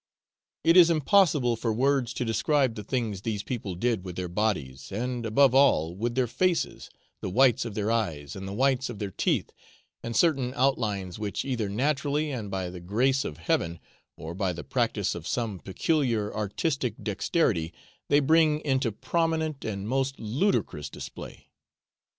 It is impossible for words to describe the things these people did with their bodies, and, above all, with their faces, the whites of their eyes, and the whites of their teeth, and certain outlines which either naturally and by the grace of heaven, or by the practice of some peculiar artistic dexterity, they bring into prominent and most ludicrous display.